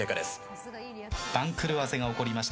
番狂わせが起こりました。